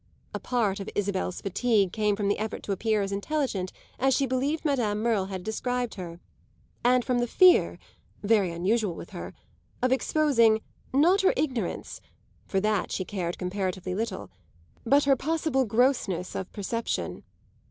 A part of Isabel's fatigue came from the effort to appear as intelligent as she believed Madame Merle had described her, and from the fear (very unusual with her) of exposing not her ignorance; for that she cared comparatively little but her possible grossness of perception.